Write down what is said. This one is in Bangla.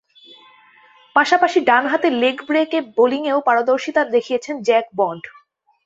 পাশাপাশি ডানহাতে লেগ ব্রেক বোলিংয়েও পারদর্শিতা দেখিয়েছেন জ্যাক বন্ড।